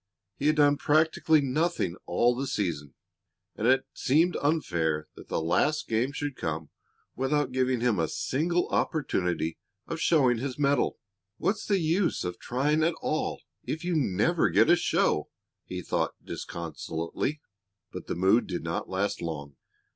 He had done practically nothing all the season, and it seemed unfair that the last game should come without giving him a single opportunity of showing his mettle. "What's the use of trying at all if you never get a show?" he thought disconsolately. But the mood did not last long.